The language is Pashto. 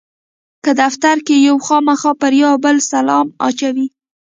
که دفتر کې یو خامخا پر یو او بل سلام اچوو.